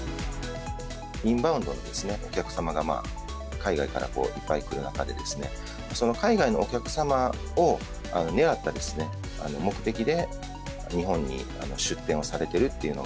インバウンドのお客様が海外からいっぱい来る中で、その海外のお客様を狙った目的で、日本に出店をされてるっていうの